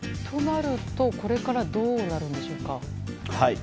となると、これからどうなるんでしょうか。